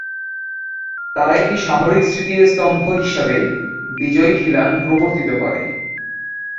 তারা একটি সামরিক স্মৃতিস্তম্ভ হিসাবে বিজয়ী খিলান প্রবর্তিত করে।